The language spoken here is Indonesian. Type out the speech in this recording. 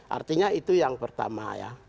artinya itu yang pertama ya